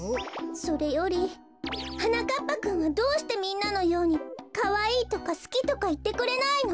それよりはなかっぱくんはどうしてみんなのように「かわいい」とか「すき」とかいってくれないの？